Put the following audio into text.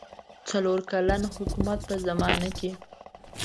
څلور کلن حکومت په زمانه کې.